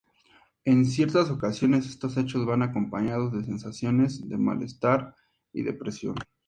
En ciertas ocasiones estos hechos van acompañados de sensaciones de malestar y depresión.